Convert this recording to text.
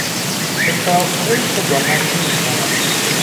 حسابهایی که باهم نمیخوانند